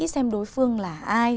xem đối phương là ai